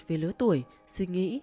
về lứa tuổi suy nghĩ